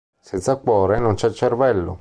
Senza cuore, non c'è cervello.